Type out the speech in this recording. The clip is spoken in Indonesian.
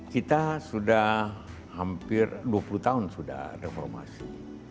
kita sudah hampir dua puluh tahun sudah reformasi